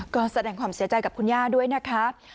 ก็แสดงความเสียใจกับคุณย่าด้วยนะคะ